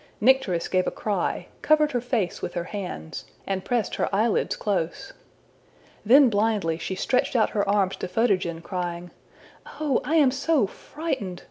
Nycteris gave a cry, covered her face with her hands, and pressed her eyelids close. Then blindly she stretched out her arms to Photogen, crying, ``Oh, I am so frightened!